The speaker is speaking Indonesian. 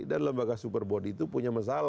dan lembaga superbody itu punya masalah sebenarnya